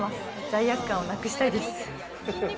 罪悪感をなくしたいです。